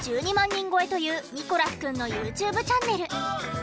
人超えというニコラスくんのＹｏｕＴｕｂｅチャンネル。